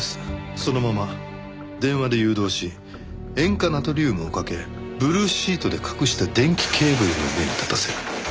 そのまま電話で誘導し塩化ナトリウムをかけブルーシートで隠した電気ケーブルの上に立たせる。